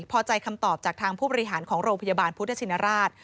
พอใจคำตอบจากทางผู้บริหารของโรงพยาบาลพุทธชินราช